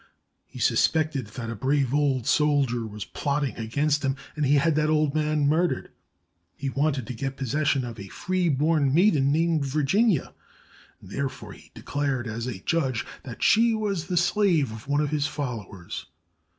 He sus pected that a brave old soldier was plotting against him, and he had the old man murdered. He wanted to get possession of a free born maiden named Virginia, and therefore he declared as a judge that she was the slave of one of his followers.